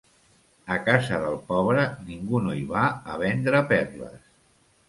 A casa del pobre ningú no hi va a vendre perles.